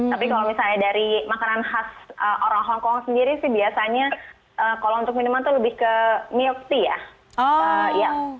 tapi kalau misalnya dari makanan khas orang hongkong sendiri sih biasanya kalau untuk minuman itu lebih ke milk tea ya